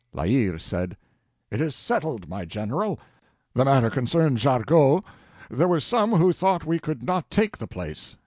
La Hire said: "It is settled, my General. The matter concerned Jargeau. There were some who thought we could not take the place."